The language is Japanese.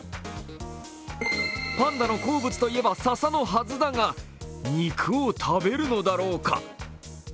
パンダの好物といえば笹のはずだが肉を食べるのだろうか？